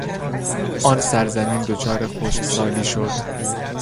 آن سرزمین دچار خشکسالی شد.